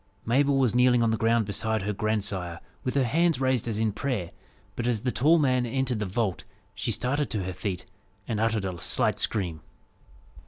Mabel was kneeling on the ground beside her grandsire, with her hands raised as in prayer, but as the tall man entered the vault, she started to her feet, and uttered a slight scream.